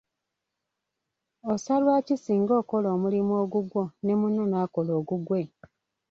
Osalwa ki singa okola omulimu ogugwo ne munno n'akola ogugwe?